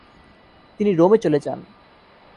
তিনি রোমে চলে যান।